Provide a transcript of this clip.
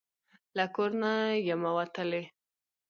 له کور نه یمه وتلې